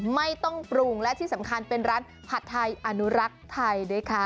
ไม่ต้องปรุงและที่สำคัญเป็นร้านผัดไทยอนุรักษ์ไทยด้วยค่ะ